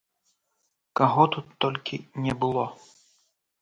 Каго тут толькі не было!